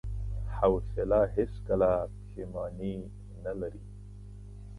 حوصله هیڅکله پښېماني نه لري.